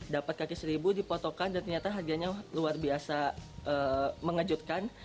dapat kaki seribu dipotokan dan ternyata harganya luar biasa mengejutkan